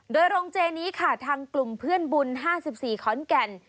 โดยโรงเจนี้ค่ะทางกลุ่มเพื่อนบุญ๕๔ขอนแก่น